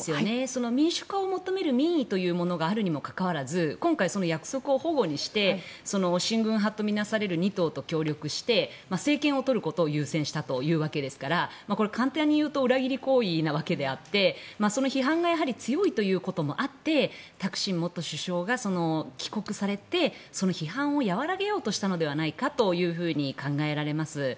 民主化を求める民意というものがあるにもかかわらず今回、約束を反故にして親軍派と見なされる２党と協力して政権を取ることを優先したというわけですからこれ、簡単に言うと裏切り行為なわけであって批判が強いということもあってタクシン元首相が帰国されてその批判を和らげしようとしたのではないかと考えられます。